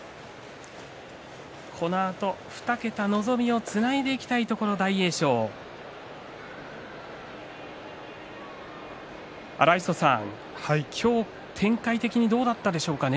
このあと２桁望みをつないでいきたいところ大栄翔。今日を展開的にどうだったでしょうかね？